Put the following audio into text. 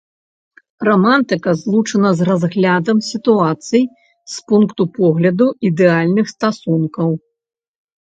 Рамантыка злучана з разглядам сітуацый з пункту погляду ідэальных стасункаў.